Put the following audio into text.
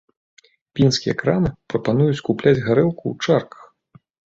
Пінскія крамы прапануюць купляць гарэлку ў чарках.